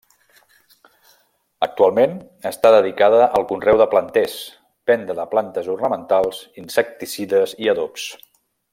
Actualment està dedicada al conreu de planters, venda de plantes ornamentals, insecticides i adobs.